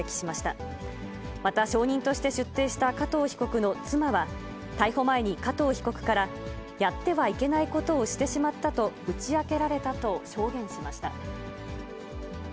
また証人として出廷した加藤被告の妻は、逮捕前に加藤被告から、やってはいけないことをしてしまったと打ち明けられたと証言しました。